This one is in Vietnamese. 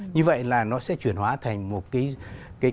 như vậy là nó sẽ chuyển hóa thành một cái